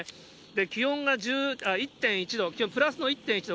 気温が１．１度、プラスの１．１度。